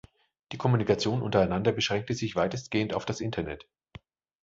Die Kommunikation untereinander beschränkte sich weitestgehend auf das Internet.